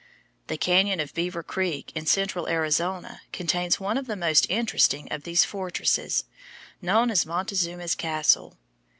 The cañon of Beaver Creek in central Arizona contains one of the most interesting of these fortresses, known as Montezuma's Castle.